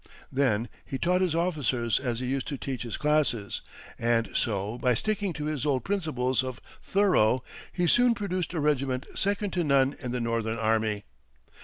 Then he taught his officers as he used to teach his classes; and so, by sticking to his old principles of "thorough," he soon produced a regiment second to none in the Northern army.